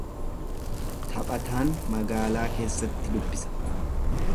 Taphataan magaalaa keessatti dubbisa.